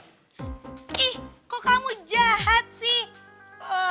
eh kok kamu jahat sih